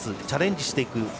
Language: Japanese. チャレンジしていく。